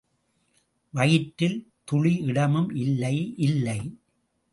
வயிற்றில்—துளி இடமும் இல்லை, இல்லை!